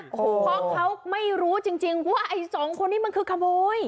เพราะเขาไม่รู้จริงว่าไอ้สองคนนี้มันคือขโมย